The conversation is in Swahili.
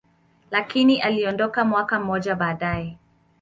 lakini aliondoka mwaka mmoja baadaye.